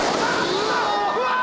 うわ！